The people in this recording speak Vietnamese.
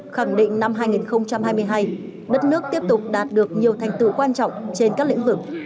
khẳng định năm hai nghìn hai mươi hai đất nước tiếp tục đạt được nhiều thành tựu quan trọng trên các lĩnh vực